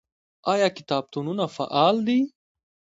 آیا کتابتونونه فعال دي؟